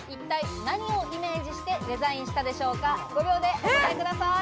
５秒でお答えください。